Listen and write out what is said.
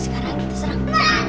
sekarang kita serang